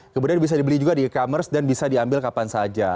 kemudian bisa dibeli juga di e commerce dan bisa diambil kapan saja